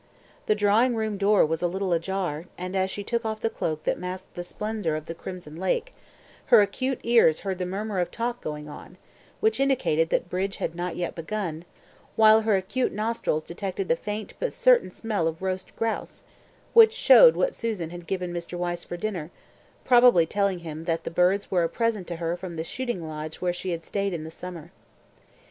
The drawing room door was a little ajar, and as she took off the cloak that masked the splendour of the crimson lake, her acute ears heard the murmur of talk going on, which indicated that bridge had not yet begun, while her acute nostrils detected the faint but certain smell of roast grouse, which showed what Susan had given Mr. Wyse for dinner, probably telling him that the birds were a present to her from the shooting lodge where she had stayed in the summer.